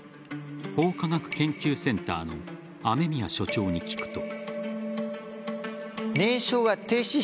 法科学研究センターの雨宮所長に聞くと。